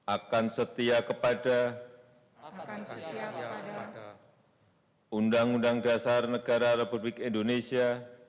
akan setia kepada undang undang dasar negara republik indonesia